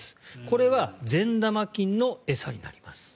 これは善玉菌の餌になります。